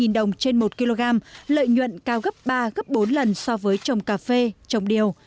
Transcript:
trong ba mươi đồng trên một kg lợi nhuận cao gấp ba gấp bốn lần so với trồng cà phê trồng điều